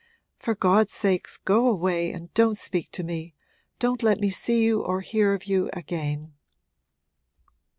'For God's sake go away and don't speak to me, don't let me see you or hear of you again!'